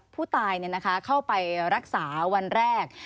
ผู้ตายเข้าไปรักษาวันแรก